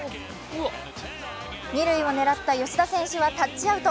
二塁を狙った吉田選手はタッチアウト。